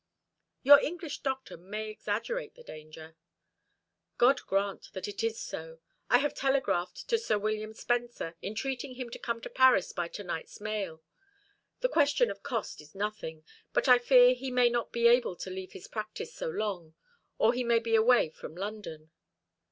"Your English doctor may exaggerate the danger." "God grant that it is so. I have telegraphed to Sir William Spencer, entreating him to come to Paris by to night's mail. The question of cost is nothing; but I fear he may not be able to leave his practice so long or he may be away from London."